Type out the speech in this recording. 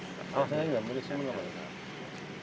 saya nggak menunjukkan